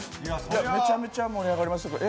めちゃめちゃ盛り上がりますけど。